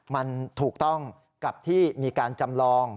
มันถูกต้องกับที่มีการจำลอง